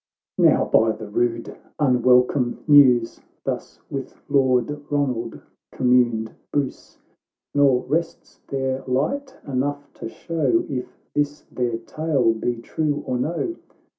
"— XXI " Now, by the rood, unwelcome news !" Thus with Lord Ronald communed Bruce ;" Xor rests there light enough to show If this their tale be true or no.